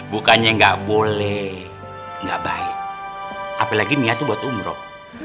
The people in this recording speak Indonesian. bukannya nggak boleh nggak baik apalagi niat itu buat umroh